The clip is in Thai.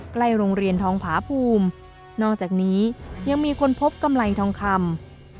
ใกล้โรงเรียนทองผาภูมินอกจากนี้ยังมีคนพบกำไรทองคำ